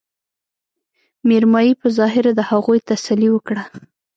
مېرمايي په ظاهره د هغوي تسلې وکړه